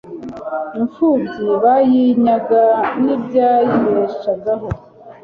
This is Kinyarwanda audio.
imfubyi bayinyaga n'ibyayibeshagaho